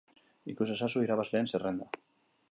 Ikus ezazu irabazleen zerrenda.